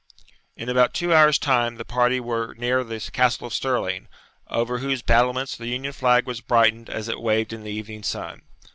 In about two hours' time the party were near the Castle of Stirling, over whose battlements the union flag was brightened as it waved in the evening sun.